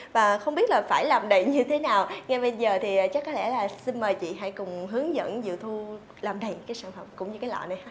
và không biết là phải làm đầy như thế nào ngay bây giờ thì chắc có lẽ là xin mời chị hãy cùng hướng dẫn diệu thu làm đầy cái sản phẩm cũng như cái lọ này